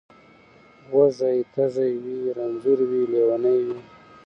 وږی تږی وي رنځور وي لېونی وي